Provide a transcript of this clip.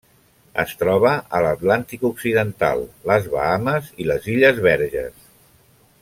Es troba a l'Atlàntic occidental: les Bahames i les Illes Verges.